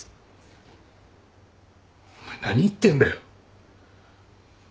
お前何言ってんだよ。